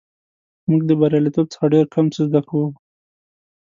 موږ د بریالیتوب څخه ډېر کم څه زده کوو.